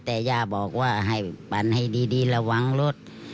แต่ย่าบอกว่าให้ปั่นให้ดีระวังรถ